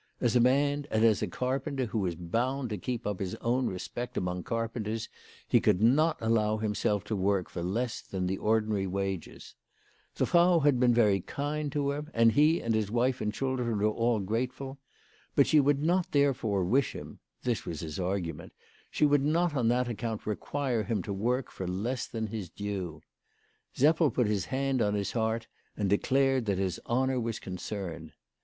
As a man, and as a carpenter who was bound to keep up his own respect among carpenters, he could not allow himself to work for less than the ordinary wages. The Frau had been very kind to him, and he and his wife and children were all grateful. But she would not therefore wish him, this was his argument, she would not on that account require him to work for less than his due. Seppel put his hand on his heart, and declared that his honour was concerned.